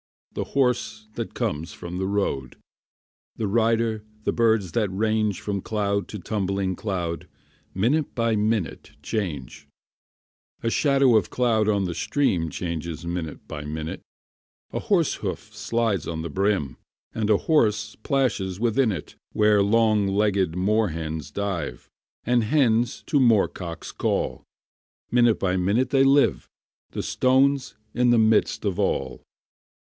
The horse that comes from the road. The rider, the birds that range From cloud to tumbling cloud, Minute by minute change; A shadow of cloud on the stream Changes minute by minute; A horse hoof slides on the brim, And a horse plashes within it Where long legged moor hens dive, And hens to moor cocks call. Minute by minute they live: The stone's in the midst of all.